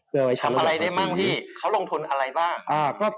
ทำอะไรได้บ้างพี่เขาลงทุนอะไรบ้าง